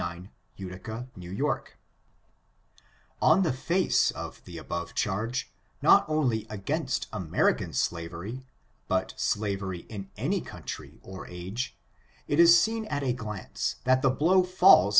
On the whole face of the above charge, not only against American slavery, but slavery in any coun try or age, it is seen at a glance, that the blow falls